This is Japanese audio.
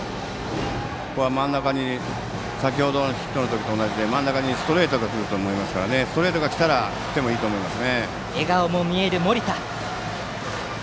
先程のヒットの時と同じで真ん中にストレートが来ると思いますから来たら振っていいと思います。